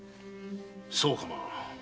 そうかな。